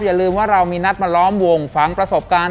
อย่าลืมว่าเรามีนัดมาล้อมวงฝังประสบการณ์